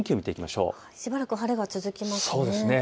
しばらく晴れが続きますね。